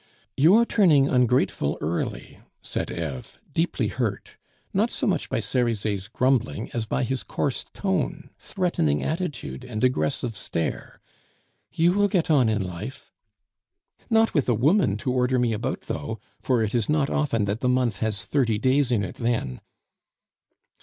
"You are turning ungrateful early," said Eve, deeply hurt, not so much by Cerizet's grumbling as by his coarse tone, threatening attitude, and aggressive stare; "you will get on in life." "Not with a woman to order me about though, for it is not often that the month has thirty days in it then."